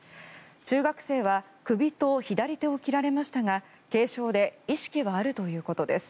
中学生は首と左手を切られましたが軽傷で意識はあるということです。